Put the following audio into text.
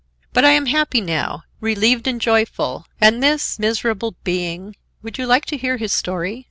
But I am happy now, relieved and joyful; and this miserable being,—would you like to hear his story?